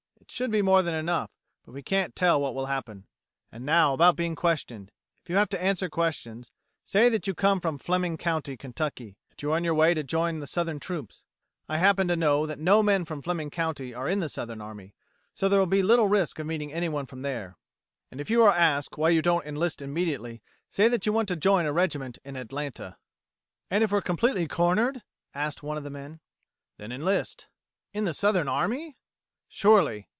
It should be more than enough, but we can't tell what will happen. And now about being questioned: If you have to answer questions, say that you come from Fleming County, Kentucky; that you are on your way to join the Southern troops. I happen to know that no men from Fleming County are in the Southern army, and so there will be little risk of meeting anyone from there. And if you are asked why you don't enlist immediately, say that you want to join a regiment in Atlanta." "And if we're completely cornered?" asked one of the men. "Then enlist." "In the Southern army?" "Surely.